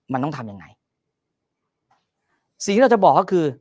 มันต้องทำยังไงสิ่งที่เราจะบอกก็คือ